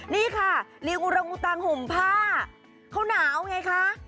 นี่ค่ะลิงอุรังอุตังห่มผ้าเขาหนาวไงคะ